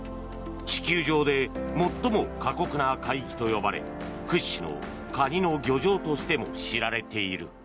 地球上で最も過酷な海域と呼ばれ屈指のカニの漁場としても知られている。